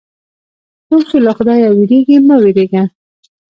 څوک چې له خدایه وېرېږي، مه وېرېږه.